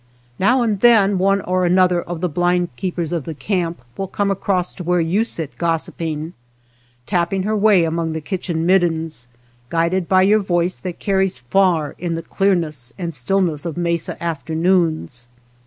Now and then one or an other of the bhnd keepers of the camp will come across to where you sit gossiping, tapping her way among the kitchen mid dens, guided by your voice that carries far in the clearness and stillness of mesa after noons.